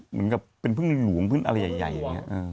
เหมือนกับเป็นพึ่งหลวงพึ่งอะไรใหญ่อย่างนี้